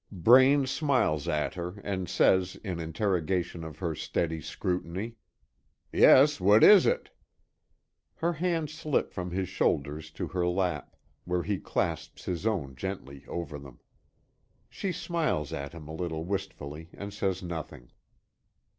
Braine smiles at her, and says in interrogation of her steady scrutiny: "Yes, what is it?" Her hands slip from his shoulders to her lap, where he clasps his own gently over them. She smiles at him a little wistfully and says nothing.